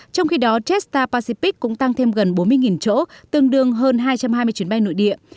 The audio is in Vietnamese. trong khi đó jetstar pacific cũng tăng thêm gần bốn mươi chỗ tương đương hơn hai trăm hai mươi chuyến bay nội địa